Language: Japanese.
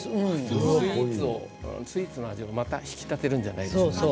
スイーツの味もまた引き立てるんじゃないでしょうか。